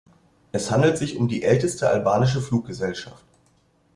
Es handelt sich um die älteste albanische Fluggesellschaft.